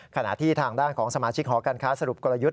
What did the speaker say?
ขณะที่ทางด้านของสมาชิกหอการค้าสรุปกลยุทธ์